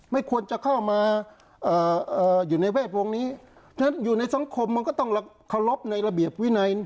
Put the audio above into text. ไม่ควรจะเข้ามาอยู่ในแวดวงนี้ฉะนั้นอยู่ในสังคมมันก็ต้องเคารพในระเบียบวินัย